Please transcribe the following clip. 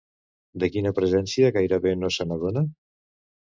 De quina presència gairebé no se n'adona?